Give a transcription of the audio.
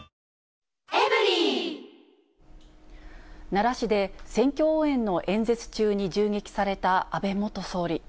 奈良市で選挙応援の演説中に銃撃された安倍元総理。